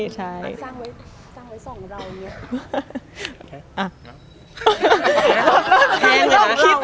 สร้างไว้ส่องเราอีก